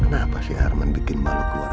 kenapa sih arman bikin balik keluarga